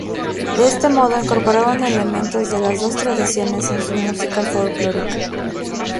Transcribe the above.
De este modo, incorporaron elementos de las dos tradiciones en su música folclórica.